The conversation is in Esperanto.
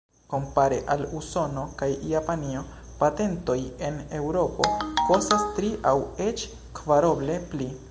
Kompare al Usono kaj Japanio, patentoj en Eŭropo kostas tri aŭ eĉ kvaroble pli.